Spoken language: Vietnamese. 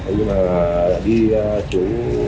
nhưng mà đi chú